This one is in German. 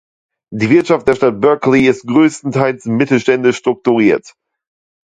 Die Wirtschaft der Stadt Berkeley ist größtenteils mittelständisch strukturiert.